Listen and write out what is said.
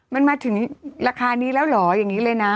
มันมาถึงราคานี้แล้วเหรออย่างนี้เลยนะ